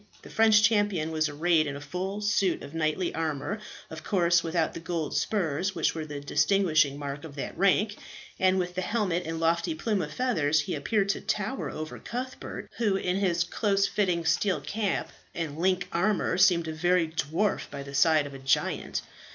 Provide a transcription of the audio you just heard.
The French champion was arrayed in a full suit of knightly armour of course without the gold spurs which were the distinguishing mark of that rank and with his helmet and lofty plume of feathers he appeared to tower above Cuthbert, who, in his close fitting steel cap and link armour, seemed a very dwarf by the side of a giant.